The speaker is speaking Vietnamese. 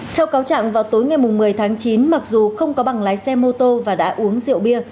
theo cáo trạng vào tối ngày một mươi tháng chín mặc dù không có bằng lái xe mô tô và đã uống rượu bia